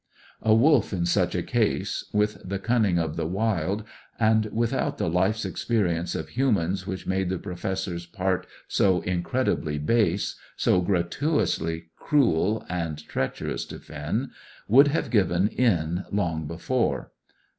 A wolf in such a case, with the cunning of the wild, and without the life's experience of humans which made the Professor's part so incredibly base, so gratuitously cruel and treacherous to Finn, would have given in long before.